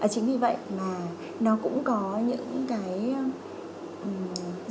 chính vì vậy mà nó cũng có những cái